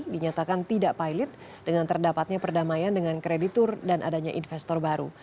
dinyatakan tidak pilot dengan terdapatnya perdamaian dengan kreditur dan adanya investor baru